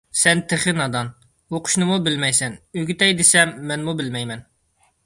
سەن تېخى نادان، ئوقۇشنىمۇ بىلمەيسەن. ئۆگىتەي دېسەم مەنمۇ بىلمەيمەن.